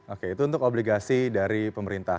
oke itu untuk obligasi dari pemerintah